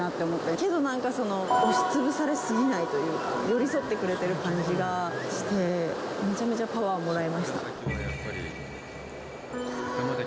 けどなんか押し潰され過ぎないというか寄り添ってくれている感じがしてめちゃめちゃパワーをもらいました。